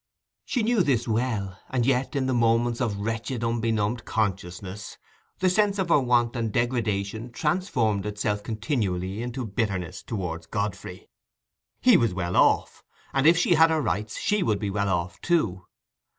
She knew this well; and yet, in the moments of wretched unbenumbed consciousness, the sense of her want and degradation transformed itself continually into bitterness towards Godfrey. He was well off; and if she had her rights she would be well off too.